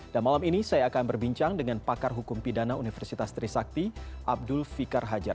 dan malam ini saya akan berbincang dengan pakar hukum pidana universitas trisakti abdul fikar hajar